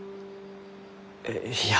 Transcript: えいや。